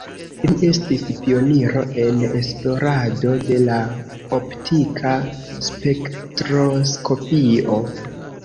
Li estis pioniro en esplorado de la optika spektroskopio.